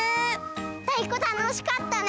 たいこたのしかったね！